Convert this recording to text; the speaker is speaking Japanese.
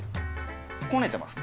こねてますね。